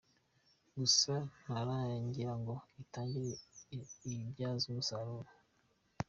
gusa ntirarangira ngo itangire ibyazwe umusaruro.